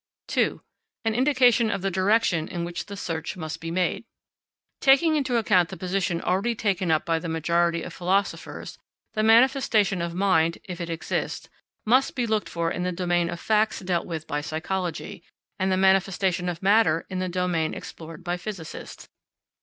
2. An Indication of the Direction in which the Search must be Made. Taking into account the position already taken up by the majority of philosophers, the manifestation of mind, if it exists, must be looked for in the domain of facts dealt with by psychology, and the manifestation of matter in the domain explored by physicists.